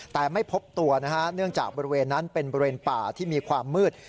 แต่ไม่พบตัวนะฮะเนื่องจากบริเวณนั้นเป็นบริเวณป่าที่มีความมืด